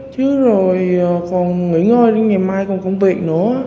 chứ rồi còn nghỉ ngơi đến ngày mai còn công việc nữa